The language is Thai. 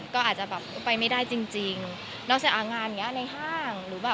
ก็อาจจะแบบไปไม่ได้จริงนอกจากงานอย่างเงี้ยในห้าง